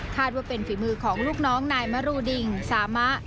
ว่าเป็นฝีมือของลูกน้องนายมรูดิงสามะ